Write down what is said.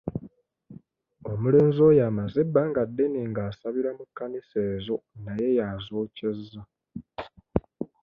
Omulenzi oyo amaze ebbanga ddene ng'asabira mu kkanisa ezo naye yazookyezza.